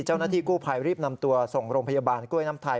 เจ้าหน้าที่กู้ภัยรีบนำตัวส่งโรงพยาบาลกล้วยน้ำไทย